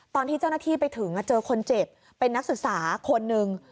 ตอนที่เจ้าหน้าที่ไปถึงเจอคนเจ็บเป็นนักศึกษาคนหนึ่ง